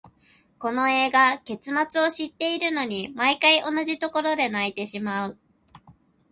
この映画、結末を知っているのに、毎回同じところで泣いてしまう。